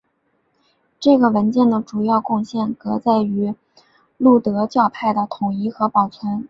这个文件的主要贡献革在于路德教派的统一和保存。